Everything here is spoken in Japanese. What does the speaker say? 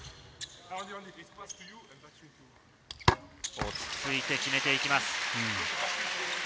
落ち着いて決めていきます。